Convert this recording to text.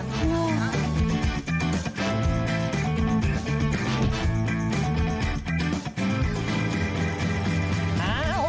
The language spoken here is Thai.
ใช่